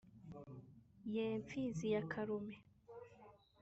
Ye Mfizi ya Karume*,